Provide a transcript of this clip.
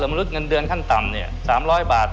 มนุษย์เงินเดือนขั้นต่ำ๓๐๐บาท